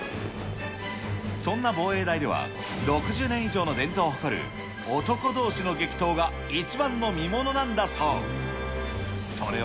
そんな防衛大では、６０年以上の伝統を誇る男どうしの激闘が一番の見ものなんだそう。